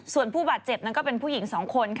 ส่วนผู้บาดเจ็บเป็นผู้หญิง๒คน